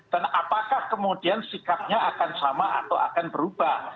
dan apakah kemudian sikapnya akan sama atau akan berubah